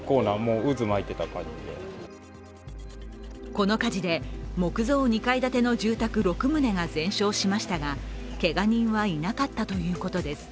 この火事で木造２階建ての住宅６棟が全焼しましたがけが人はいなかったということです。